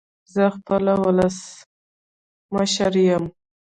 زه خپله ولسمشر يم